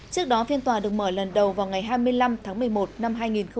trước đó phiên tòa được mở lần đầu vào ngày hai mươi năm tháng một mươi một năm hai nghìn một mươi chín